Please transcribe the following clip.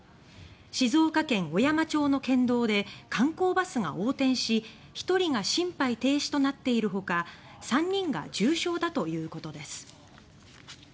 静岡県小山町の県道で観光バスが横転し１人が心肺停止となっているほか３人が重傷だということです。